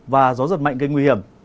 và gió giật mạnh gây nguy hiểm